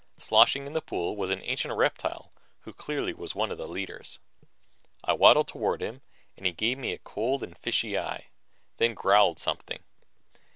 Sloshing in the pool was an ancient reptile who clearly was one of the leaders. I waddled toward him and he gave me a cold and fishy eye, then growled something.